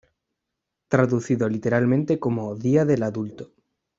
Traducido literalmente como "Día del Adulto".